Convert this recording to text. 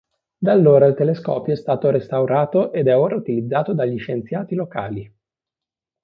Da allora il telescopio è stato restaurato ed è ora utilizzato dagli scienziati locali.